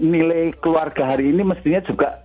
nilai keluarga hari ini mestinya juga